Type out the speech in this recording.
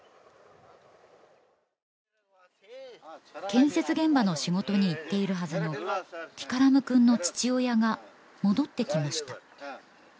建設現場の仕事に行っているはずのティカラムくんの父親が戻ってきました